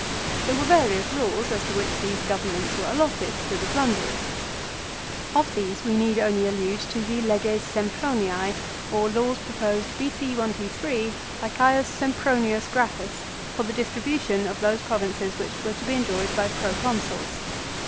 There were various laws as to which these governments were allotted to the plunderers. Of these we need only allude to the Leges Semproniae, or laws proposed B.C. 123, by Caius Sempronius Gracchus for the distribution of those provinces which were to be enjoyed by Proconsuls.